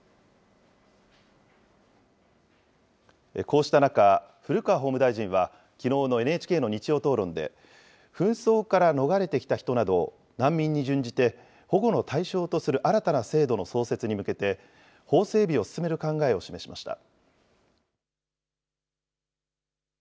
こうした中、古川法務大臣は、きのうのＮＨＫの日曜討論で、紛争から逃れてきた人などを難民に準じて保護の対象とする新たな制度の創設に向けて、法整備を進める考えを示しました。